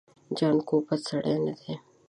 جانکو بد سړی نه دی.